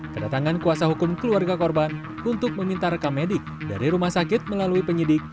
kedatangan kuasa hukum keluarga korban untuk meminta rekam medik dari rumah sakit melalui penyidik